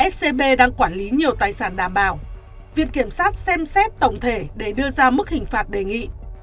scb đang quản lý nhiều tài sản đảm bảo viện kiểm sát xem xét tổng thể để đưa ra mức hình phạt đề nghị